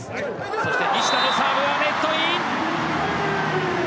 そして西田のサーブがネットイン。